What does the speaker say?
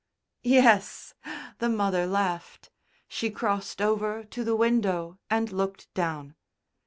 "Yes," the mother laughed. She crossed over to the window and looked down.